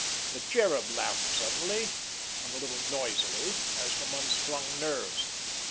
The Cherub laughed suddenly and a little noisily, as from unstrung nerves.